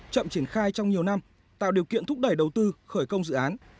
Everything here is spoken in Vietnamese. chậm triển khai trong nhiều năm tạo điều kiện thúc đẩy đầu tư khởi công dự án